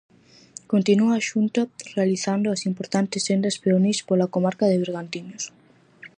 Continúa a Xunta realizando as importantes sendas peonís pola comarca de Bergantiños.